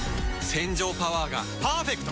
洗浄パワーがパーフェクト！